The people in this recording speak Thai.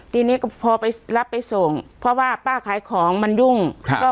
ทีนี้ก็พอไปรับไปส่งเพราะว่าป้าขายของมันยุ่งครับ